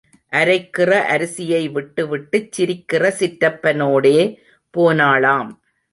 அரைக்கிற அரிசியை விட்டுவிட்டுச் சிரிக்கிற சிற்றப்பனோடே போனாளாம்.